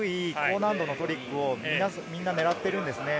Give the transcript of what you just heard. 高難度のトリックをみんな狙っています。